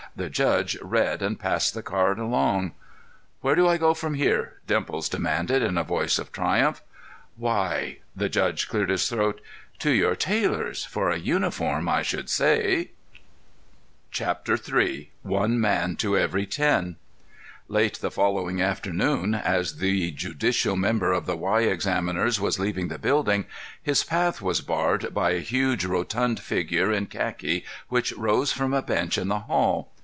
The "judge" read and passed the card along. "Where do I go from here?" Dimples demanded, in a voice of triumph. "Why"—the "judge" cleared his throat—"to your tailor's for a uniform, I should say." CHAPTER III "One Man to Every Ten!" Late the following afternoon, as the judicial member of the Y examiners was leaving the building, his path was barred by a huge, rotund figure in khaki which rose from a bench in the hall.